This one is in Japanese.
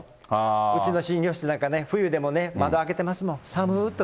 うちの診療室なんかね、冬でもね、窓開けてますもん。